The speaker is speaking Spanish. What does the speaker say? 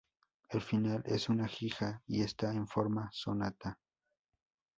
El final es una giga y está en forma sonata.